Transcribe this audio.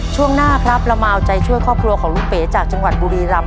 ช่วงหน้าครับเรามาเอาใจช่วยครอบครัวของลุงเป๋จากจังหวัดบุรีรำ